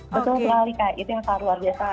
betul sekali itu yang sangat luar biasa